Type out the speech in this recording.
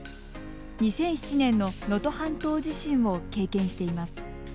２００７年の能登半島地震を経験しています。